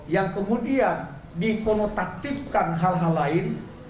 yang kemudian dikonotaktifkan hal hal lain